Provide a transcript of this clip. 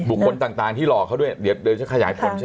บุคคลต่างต่างที่รอเขาด้วยเดี๋ยวจะขยายผลใช่ไหมค่ะ